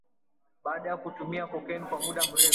Baada ya kutumia cocaine kwa muda mrefu